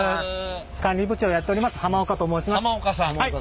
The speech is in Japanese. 管理部長やっております濱岡と申します。